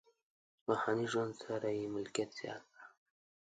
روحاني ژوند سره یې ملکیت زیات کړ.